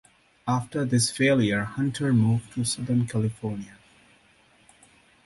After this failure, Hunter moved to southern California.